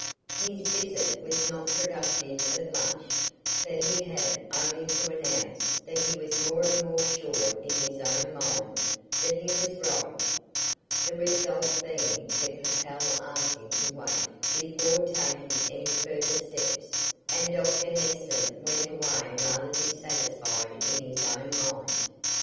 His visit was not productive of much, for he had only to announce that he was more and more sure in his own mind that he was right, the result being that Capel asked him to wait before taking any further steps, and Dr Heston went away rather dissatisfied in his own mind.